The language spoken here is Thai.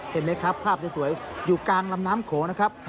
เห็นไหมครับภาพสวยอยู่กลางลำน้ำโขงนะครับ